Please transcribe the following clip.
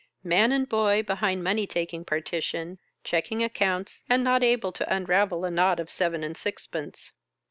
Man and boy behind money taking partition, checking accounts, and not able to unravel a knot of seven and sixpence.